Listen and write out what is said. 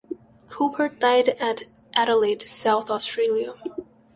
Cooper died at Adelaide, South Australia.